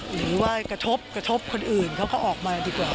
หรือว่ากระทบกระทบคนอื่นเขาก็ออกมาดีกว่า